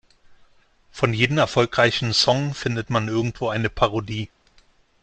Von jedem erfolgreichen Song findet man irgendwo eine Parodie.